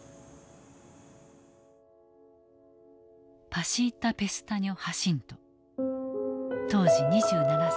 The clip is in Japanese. パシータ・ペスタニョ・ハシント当時２７歳。